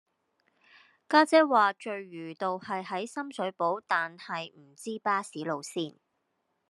家姐話聚魚道係喺深水埗但係唔知巴士路線